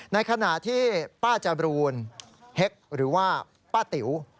ในขณะที่ป้าจบรูนเฮ็กหรือว่าป้าติ๋ว